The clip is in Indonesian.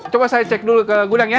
coba saya cek dulu ke gudang ya